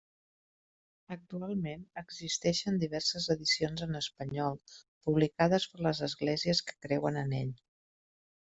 Actualment existeixen diverses edicions en espanyol publicades per les esglésies que creuen en ell.